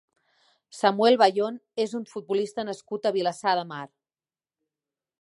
Samuel Bayón és un futbolista nascut a Vilassar de Mar.